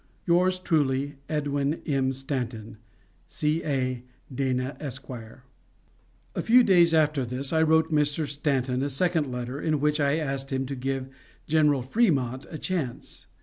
Yours truly, EDWIN M. STANTON. C. A. DANA, Esq. A few days after this I wrote Mr. Stanton a second letter, in which I asked him to give General Frémont a chance.